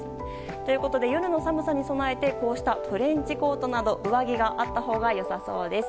ということで夜の寒さに備えてこうしたトレンチコートなど上着があったほうが良さそうです。